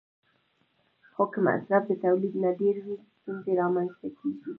خو که مصرف د تولید نه ډېر وي، ستونزې رامنځته کېږي.